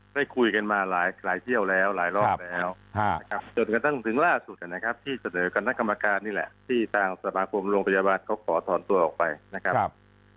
ได้คุยกันมาหลายเที่ยวแล้วหลายรอบแล้วนะครับจนกระทั่งถึงล่าสุดนะครับที่เสนอคณะกรรมการนี่แหละที่ทางสมาคมโรงพยาบาลเขาขอถอนตัวออกไปนะครับ